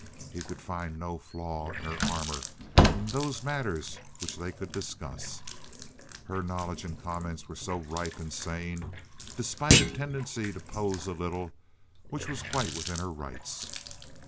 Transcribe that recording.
He could find no flaw in her armor in those matters which they could discuss. Her knowledge and comments were so ripe and sane, despite a tendency to pose a little, which was quite within her rights.